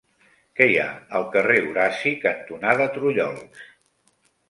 Què hi ha al carrer Horaci cantonada Trullols?